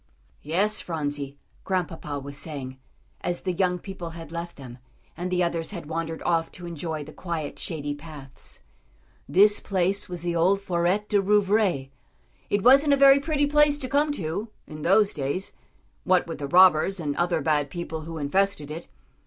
"Yes, Phronsie," Grandpapa was saying, as the young people had left them, and the others had wandered off to enjoy the quiet, shady paths, "this place was the old Fôret de Rouvray. It wasn't a very pretty place to come to in those days, what with the robbers and other bad people who infested it.